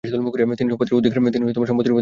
তিনি সম্পত্তির অধিকার দাবী করেন।